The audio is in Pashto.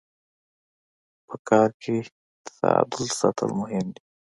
په کار کي تعادل ساتل مهم دي.